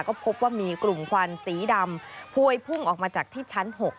ก็พบว่ามีกลุ่มควันสีดำพวยพุ่งออกมาจากที่ชั้น๖